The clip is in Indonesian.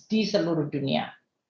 di seluruh dunia